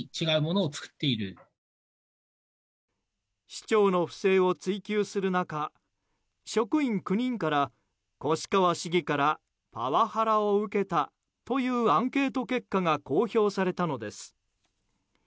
市長の不正を追及する中職員９人から越川市議からパワハラを受けたというアンケート結果が公表されたのです。